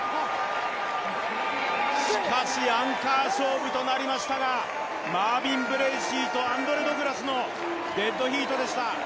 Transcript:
しかしアンカー勝負となりましたが、マービン・ブレーシーとアンドレ・ド・グラスのデッドヒートでした。